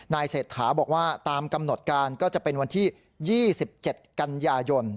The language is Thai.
เศรษฐาบอกว่าตามกำหนดการก็จะเป็นวันที่๒๗กันยายน